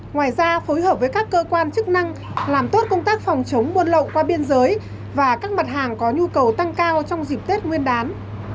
ngoài ra phối hợp với các cơ quan chức năng làm tốt công tác phòng chống buôn lậu qua biên giới và các mặt hàng có nhu cầu tăng cao trong dịp tết nguyên đán